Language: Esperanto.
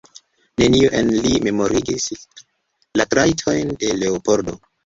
Nenio en li memorigis la trajtojn de Leopoldo.